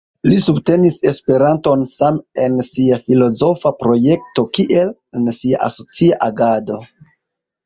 Li subtenis Esperanton same en sia filozofa projekto kiel en sia asocia agado.